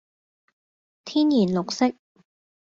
天然綠色